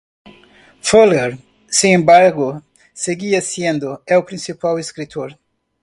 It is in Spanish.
Furler, sin embargo, seguía siendo el principal escritor.